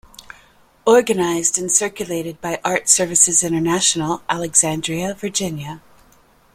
Organized and circulated by Art Services International, Alexandria, Virginia.